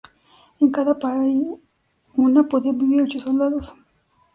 En cada una podían vivir ocho soldados.